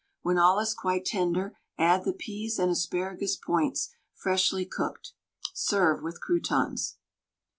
When all is quite tender add the peas and asparagus points, freshly cooked; serve with croutons.